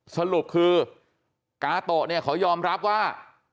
สรุปคือกาตะเขายอมรับว่า